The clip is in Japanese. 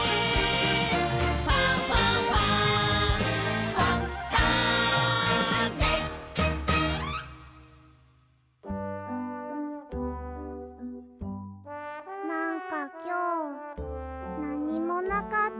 「ファンファンファン」なんかきょうなにもなかったね。